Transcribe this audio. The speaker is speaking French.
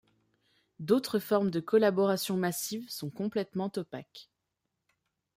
D'autres formes de collaboration massive sont complètement opaques.